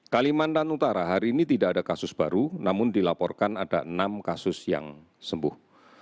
kalimantan utara hari ini tidak ada kasus baru namun dilaporkan ada enam kasus yang sembuh